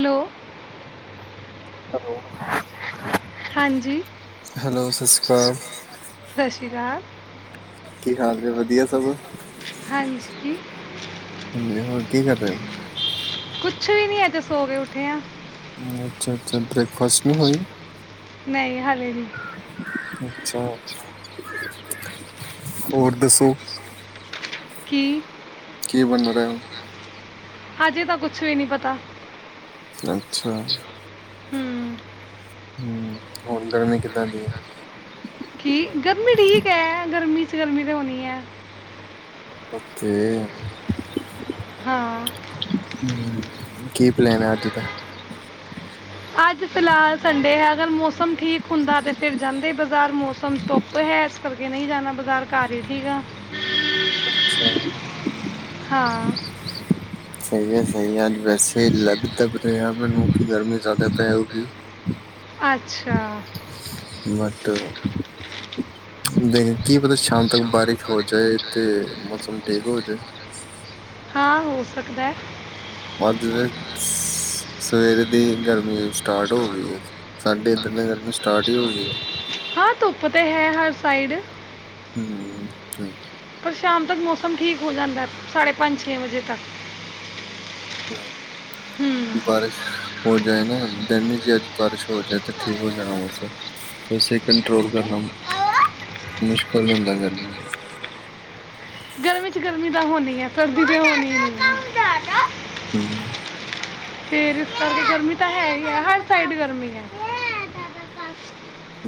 Hello hello ਹਾਂਜੀ, ਸਤਿ ਸ਼੍ਰੀ ਅਕਾਲ ਸਤਿ ਸ਼੍ਰੀ ਅਕਾਲ ਕੀ ਹਾਲ ਨੇ, ਵਧੀਆ ਸਭ? [inaudible] ਹਾਂਜੀ, ਹੋਰ ਕੀ ਕਰ ਰਹੇ ਹੋ? ਕੁੱਛ ਵੀ ਨੀ, ਅੱਜੇ ਸੋ ਕੇ ਉੱਠੇ ਆ ਅੱਛਾ-ਅੱਛਾ ਬ੍ਰੇਕਫਾਸਟ ਨਹੀਂ ਹੋਈ? ਨਹੀਂ ਹਾਲੇ ਨਹੀਂ ਅੱਛਾ, ਹੋਰ ਦੱਸੋ ਕੀ ਕੀ ਬੰਨ ਰਿਹਾ? ਅਜੇ ਤਾਂ ਕੁਛ ਵੀ ਨਹੀਂ ਪਤਾ ਅੱਛਾ ਹਮ ਹਮ, ਹੋਰ ਗਰਮੀ ਕਿੱਦਾਂ ਦੀ ਹੈ? ਕੀ ਗਰਮੀ ਠੀਕ ਹੈ, ਗਰਮੀ ਚ ਗਰਮੀ ਤਾਂ ਹੋਣੀ ਹੈ। ਓਕੇ ਹਾਂ ਹਮ ਕੀ ਪਲੈਨ ਅੱਜ ਦਾ ਅੱਜ ਫਿਲਹਾਲ ਸੰਡੇ ਹੈ, ਅਗਰ ਮੌਸਮ ਠੀਕ ਹੁੰਦਾ, ਤੇ ਫਿਰ ਜਾਂਦੇ ਬਾਜ਼ਾਰ ਮੌਸਮ ਧੁੱਪ ਹੈ ਇਸ ਕਰਕੇ ਨਹੀਂ ਜਾਣਾ ਬਜ਼ਾਰ, ਘਰ ਹੀ ਠੀਕ ਹਾਂ। ਹਾਂ ਸਹੀ ਹੈ, ਸਹੀ ਆ ਵੈਸੇ ਲੱਗਦਾ ਪ ਮਨ ਕਿ ਗਰਮੀ ਜ਼ਿਆਦਾ ਪੈ ਉਗੀ ਅੱਛਾ [unintelligible] ਬਟ ਕੀ ਪਤਾ ਸ਼ਾਮ ਤੱਕ ਬਾਰਿਸ਼ ਹੋ ਜਾਏ ਤੇ ਮੌਸਮ ਠੀਕ ਹੋ ਜੇ ਹਾਂ, ਹੋ ਸਕਦਾ ਐ ਅੱਜ ਦੇ ਸਵੇਰੇ ਦੀ ਗਰਮੀ ਸਟਾਰਟ ਹੋ ਗਈ ਹੈ, ਸਾਡੇ ਨੇ ਗਰਮੀ ਸਟਾਰਟ ਹੀ ਹੋ ਗਈ ਹੈ ਹਾਂ ਧੁੱਪ ਤਾਂ ਹੈ ਹਰ ਸਾਈਡ ਹਮ, ਓਕੇ ਪਰ ਸ਼ਾਮ ਤੱਕ ਮੌਸਮ ਠੀਕ ਹੋ ਜਾਂਦਾ ਸਾਢੇ ਪੰਜ ਛੇ ਵਜੇ ਤੱਕ ਹੂੰ ਹਾਂ ਬਾਰਿਸ਼ ਹੋ ਜਾਏ ਨਾ ਦਿਨ ਇਚ ਬਾਰਿਸ਼ ਹੋ ਜਾਏ ਤਾਂ ਠੀਕ ਹੋ ਜਾਣਾ ਮੌਸਮ ਵੈਸੇ ਕੰਟ੍ਰੋਲ ਕਰਨਾ ਮੁਸ਼ਕਿਲ ਹੁੰਦਾ ਗਰਮੀ ਗਰਮੀ ਚ ਗਰਮੀ ਤਾਂ ਹੋਣੀ ਹੈ ਸਰਦੀ ਤਾਂ ਹੋਣੀ ਨੀ [inaudible] ਫਿਰ ਗਰਮੀ ਤਾਂ ਹੈ ਹੀ ਹੈ ਹਰ ਸਾਈਡ ਗਰਮੀ ਹੈ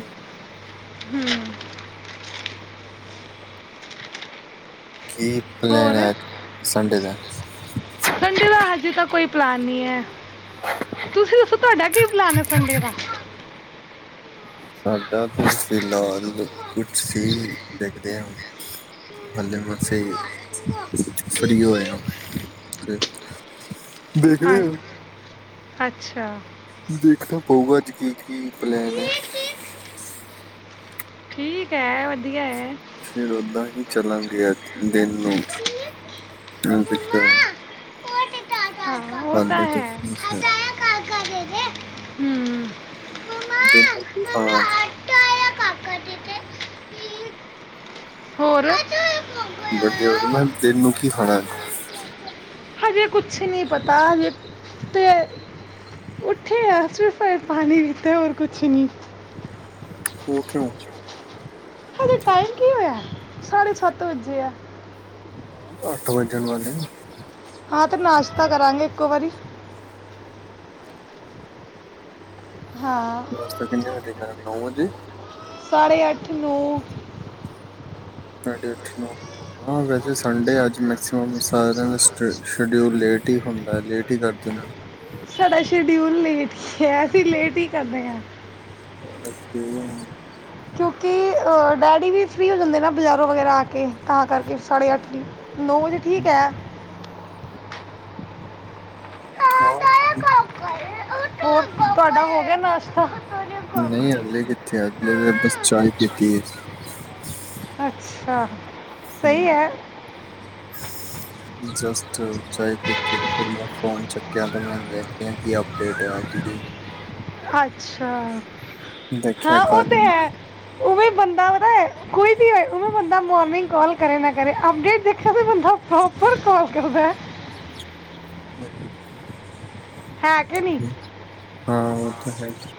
[inaudible] [unintelligible] ਕੀ ਪਲੈਨ ਹੋਰ ਹੈ ਅੱਜ ਸੰਡੇ ਦਾ ਸੰਡੇ ਦਾ ਹਜੇ ਤਾਂ ਕੋਈ ਪਲਾਨ [unintelligible] ਤੁਸੀਂ ਦਸੋ ਤੁਹਾਡਾ ਕੀ ਪਲਾਨ ਹੈ ਸੰਡੇ ਦਾ ਸਾਡਾ ਤੇ ਫਿਲਹਾਲ ਕੁਛ ਸੀ ਦੇਖ ਤੇ ਹੱਲੇ ਮ ਸਹੀ ਫਰੀ ਹੋ ਰਹੇ ਹ ਤੇ ਦੇਖਦੇ ਹਾਂ ਅੱਛ- ਅੱਛਾ ਦੇਖਣਾ ਪਊਗਾ ਅੱਜ ਕੀ ਕੀ ਪਲੈਨ ਹੈ ਠੀਕ ਹੈ ਵਧੀਆ ਹੈ ਫਿਰ ਓਦਾਂ ਹੀ ਚੱਲਾਂਗੇ [unintelligible] ਦਿਨ ਨੂੰ [unintelligible] [unintelligible] ਓ ਤਾਂ ਹਾਲੇ ਤੇ ਹੈ ਅੱਛਾ [unintelligible] ਦਿਨ ਨੂੰ ਕੀ ਖਾਣਾ ਅੱਜ ਹੋਰ ਵਡੇ ਉਹਦੇ ਮੈਂ ਦਿਨ ਨੂੰ ਕੀ ਖਾਣਾ ਹਜੇ ਕੁਛ ਨੀ ਪਤਾ ਅਜੇ ਤੇ ਉਠੇ ਅਸੀ ਵੀ ਫ ਪਾਣੀ ਪੀਤੇ ਹੋਰ ਕੁਛ ਨੀ ਉੱ ਕਂਓ ਹਜੇ ਟਾਈਮ ਕੀ ਹੋਇਆ ਸਾਢੇ ਸੱਤ ਵੱਜੇ ਆ ਅਠੋ ਵਜਣ ਵਾਲੇ ਹਾਂ ਤੇ ਨਾਸ਼ਤਾ ਕਰਾਂਗੇ ਇੱਕੋ ਵਾਰੀ ਅੱਛਾ ਹਾਂ ਨਾਸਤਾ ਕਿੰਨੇ ਵਜੇ ਖਾਯਾ ਨੋ ਵਜੇ ਸਾਢੇ ਅੱਠ ਨ ਸਾਡੇ ਅੱਠ ਨੌ ਹਾਂ ਵੈਸੇ ਸੰਡੇ ਅੱਜ ਮੈਕਸੀਮ ਸਾਰਿਆਂ ਦਾ ਸਸ ਸ਼ਡਿਊਲ ਲੇਟ ਹੀ ਹੁੰਦਾ ਲੇਟ ਹੀ ਕਰ ਦਿੰਦੇ ਸਾਡਾ ਸ਼ਡਿਊਲ ਲੇਟ ਈ ਐ ਅਸੀਂ ਲੇਟ ਹੀ ਕਰਣੇ ਆਂ। ਕ [unintelligible] ਕਿਉਂਕਿ ਡੈਡੀ ਵੀ ਫਰੀ ਹੋ ਜਾਂਦੇ ਨਾਂ ਬਜ਼ਾਰੋਂ ਵਗੈਰਾ ਆ ਕੇ ਤਾਂ ਕਰਕੇ ਸਾਡੇ ਅੱਠ ਵੀ ਨੌ ਵਜੇ ਠੀਕ ਐ। ਹਾਂ ਹੋਰ ਤੁਆਡਾ ਹੋ ਗਿਆ ਨਾਸ਼ ਤਾ ਨਈਂ ਅਜਲੇ ਕਿੱਥੇ? ਅਜਲੇ ਦੇ ਬਸ ਚਾਏ ਪੀਤੀ ਐ। ਅੱਛਾ ਸਹੀ ਐ। ਜਸਟ ਚਾਹੇ ਦੇਖੀ ਫਿਰ ਮੈਂ ਫੋਨ ਚੱਕਿਆ ਮ ਦੇਖ ਲਿਆਂ ਹੀ ਅਪਡੇਟ ਹੈ ਅੱਜ ਦੀ ਅੱਛਾ। ਦੇਖਿਆ ਹਾਂ ਉਹ ਤੇ ਕਾਲੀ ਨੂੰ। ਹੈ ਉ ਵੀ ਬੰਦਾ ਕੋਈ ਵੀ ਹੋ ਉਹਵੇ ਬੰਦਾ ਮੋਨਿੰਗ ਕਾਲ ਕਰੇ ਨਾ ਕਰੇ, ਅਪਡੇਟ ਦੇਖ ਤਾਂ ਬੰਦਾ ਪ੍ਰੋਪਰ ਕਾਲ ਕਰਦਾ। [unintelligible] ਹੈ ਕਿ ਨਹੀਂ ਹਾਂ ਉਹ ਤਾਂ ਹੈਗਾ।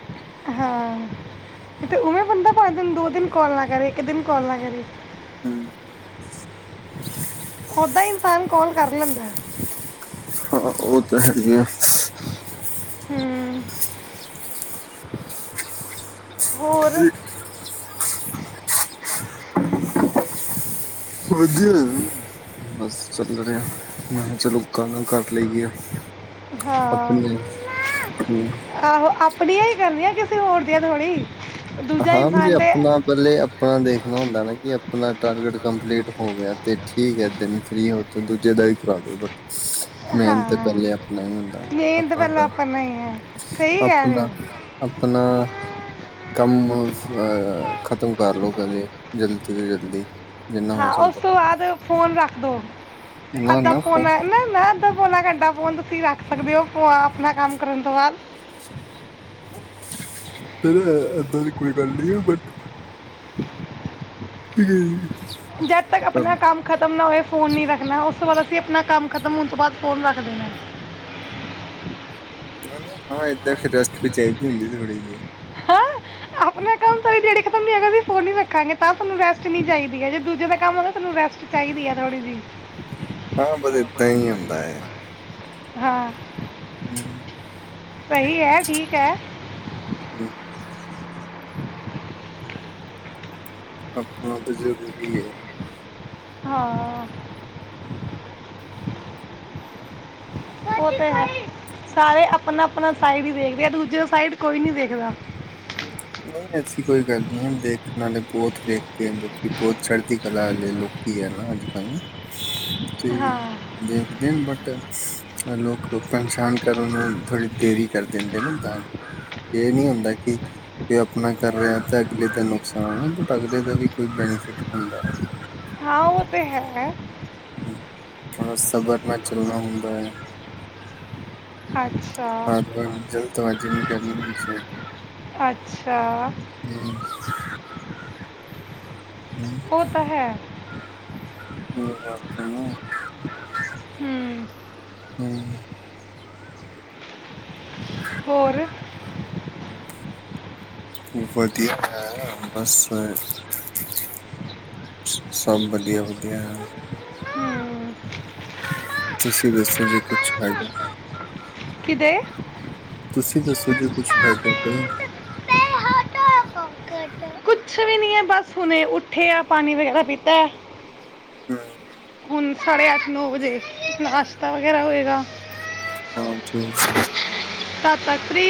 ਹਾਂ ਤੇ ਉਵੇਂ ਬੰਦਾ ਪੰਜ ਦਿਨ ਦੋ ਦਿਨ ਕਾਲ ਨਾ ਕਰੇ ਇੱਕ ਦਿਨ ਕਾਲ ਨਾ ਕਰੇ। ਹਂ। ਓਦਾਂ ਈ ਇਨਸਾਨ ਕੌਲ ਕਰ ਲੈਂਦੇ ਐ। ਹਾਂ ਉਹ ਤਾਂ ਹੈਗੀ ਆ। ਹਂ ਹੋਰ [unintelligible] [unintelligible] ਵਧੀਆ ਜੀ ਬਸ ਚੱਲ ਰਿਆ ਮੈਂ ਚਲੋ ਗੱਲਾਂ ਕਰ ਲਈਏ ਹਾਂ ਆਪਣੀਆਂ ਆਪਣੀਆਂ। ਆਹੋ, ਆਪਣੀਆਂ ਹੀ ਕਰਨੀਆਂ ਕਿਸੇ ਕਿਸੇ ਹੋਰ ਦੀਆਂ ਥੋੜੀ ਦੂਜਾ ਹਾਂ ਤੇ ਜੇ ਇਨਸਾਨ ਆਪਣਾ ਪੈਲੇ ਆਪਣਾ ਦੇਖ ਣਾ ਹੁੰਦਾ ਨਾ ਕਿ ਆਪਣਾ ਟਾਰਗੇਟ ਕੰਪਲੀਟ ਹੋ ਗਿਆ ਤੇ ਠੀਕ ਐ, ਦਿਨ ਫਰੀ ਹੋ ਤੇ ਦੂਜੇ ਦਾ ਵੀ ਕਰਾ ਦੋ ਬਟ ਹਾਂ ਮੈਨ ਤਾਂ ਪਹਿਲੇ ਆਪਣਾ ਹੀ ਹੁੰਦਾ ਮੇਨ ਤਾਂ ਆਪਣਾ ਪਹਿਲਾਂ ਡ ਹੀ ਹੈ ਸਹੀ ਕਹਿ ਰਹੇ ਆਪਣਾ ਹੋ ਆਪਣਾ ਅ ਖਤਮ ਕਰ ਲੋੋ ਪਹਿਲੇ ਜਲਦੀ ਤੋਂ ਜਲਦੀ। ਜਿੰਨਾ ਹੋ ਹਾਂ, ਉਸ ਸਕਦਾ ਤੋਂ ਬਾਅਦ ਫੋਨ ਰੱਖਦੋ ਨਾ ਅੱਧਾ ਨਾ ਫੋਨ ਪੌਣਾ ਨਾ ਨਾ ਅੱਧਾ ਪੌਨਾ ਘੰਟਾ ਫੋਨ ਤੁਸੀਂ ਰੱਖ ਸਕਦੇ ਹੋ ਆਪਣਾ ਕੰਮ ਕਰਨ ਤੋਂ ਬਾਅਦ ਫਿਰ ਏਦਾਂ ਦੀ ਕੋਈ ਗੱਲ ਨੀ ਓ ਬਟ [unintelligible] [unintelligible] ਜਦ ਤੱਕ ਕਰ- ਆਪਣਾ ਕੰਮ ਖਤਮ ਨਾ ਹੋਏ ਫ਼ੋਨ ਨਹੀਂ ਰੱਖਣਾ ਉਸ ਤੋਂ ਬਾਅਦ ਅਸੀਂ ਆਪਣਾ ਕੰਮ ਖਤਮ ਹੋਣ ਤੋਂ ਬਾਅਦ ਫੋਨ ਰੱਖ ਦੇਣਾ। ਹਾਂ ਏਦਾਂ ਫਿਰਸ ਵੀ ਚਾਹੀਦੀ ਹੁੰਦੀ ਥੋੜੀ ਜਿਹੀ ਹੈਂ ਆਪਣਾ ਕੰਮ ਤਾਂ ਸੀ ਫੋਨ ਰੱਖਾਂਗੇ ਤਾਂ ਨੂੰ ਰੈਸਟ ਨੀ ਚਾਹੀਦੀ ਹੈ ਜੇ ਦੂਜੇ ਦਾ ਕੰਮ ਆ ਤੁਨੂੰ ਰੈਸਟ ਚਾਹੀਦੀ ਹੈ ਥੋੜੀ ਜਿਹੀ ਹਾਂ ਬਸ ਇਦਾ ਹੀ ਹੁੰਦਾ ਹੈ ਹਾਂ ਹ ਸਹੀ ਹੈ ਠੀਕ ਹੈ ਹਮ, ਆਪਣਾ ਤਾਂ ਜ਼ਰੂਰੀ ਐ ਹਾਂ [unintelligible] ਉਹ ਤੇ ਹੈ ਸਾਰੇ ਆਪਣਾ ਆਪਣਾ ਸਾਈਡ ਹੀ ਵੇਖਦੇ ਆ ਦੂਜੇ ਸਾਈਡ ਕੋਈ ਨੀ ਦੇਖਦਾ ਨਹੀਂ ਐਸੀ ਕੋਈ ਗੱਲ ਨੀ ਹੁਣ ਦੇਖਣਾ ਤੇ ਬਹੁਤ ਵੇਖ ਬਹੁਤ ਚੜ੍ਹਦੀ ਕਲਾ ਵਾਲੇ ਲੋਕ ਕੇ ਹੈ ਨਾ ਅੱਜ ਕੱਲ ਤੇ ਹਾਂ ਦੇਖ ਦਿਨ ਬਟਾ ਅ ਲੋਕ ਪਰਸ਼ਾਨ ਕਰਨ ਆਲੀ ਥੋੜੀ ਦੇਰੀ ਕਰ ਦਿੰਦੇ ਨੇ ਤਾਂ ਕਰਕੇ ਇਹ ਨੀ ਹੁੰਦਾ ਕਿ ਤੇ ਆਪਣਾ ਕਰ ਰਿਹਾ ਤੇ ਅਗਲੇ ਦਾ ਨੁਕਸਾਨ ਹੈ ਅਗਲੇ ਦਾ ਵੀ ਕੋਈ ਬੈਨੀਫਿਟ ਹੁੰਦਾ ਹਾਂ ਉਹ ਤੇ ਹੈ ਥੋੜਾ ਸਬਰ ਨਾਲ ਚੱਲਣਾ ਹੁੰਦਾ ਹੈ ਅੱਛਾ ਹਾਂ ਜਲ ਤੋਂ ਹਜੀ ਨਹੀਂ ਕਰ ਅੱਛਾ [inaudible] ਉਹ ਤਾਂ ਹੈ ਇਹ ਸੁ ਨਾ ਹੂੰ ਹੂੰ ਹੋਰ ਵਧੀਆ ਹਾਂ ਬਸ ਮੈਂ ਸਭ ਵਧੀਆ ਵਧੀਆ ਹਾ ਹੂੰ ਤੁਸੀਂ ਦੱਸੋ ਜੇ ਕੁਛ ਹੈਗਾ ਕਿਦੇ ਤੁਸੀਂ ਦੱਸੋ ਜੇ ਕੁਛ ਹੈ ਕਰਦੇ ਹੈ ਕੁਛ ਵੀ ਨਹੀ ਹੈ ਬਸ ਹੁਣੇ ਉੱਠੇ ਆ ਪਾਣੀ ਵਗੈਰਾ ਪੀਤਾ ਹੂੰ ਸਾਢੇ ਅੱਠ ਨੌ ਵਜੇ ਨਾਸ਼ਤਾ ਵਗੈਰਾ ਹੋਏਗਾ ਹਾਂ ਠੀਕ ਤ ਤਤਰੀ